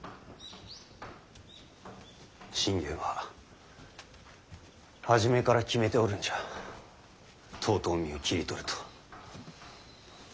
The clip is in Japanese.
信玄は初めから決めておるんじゃ遠江を切り取ると。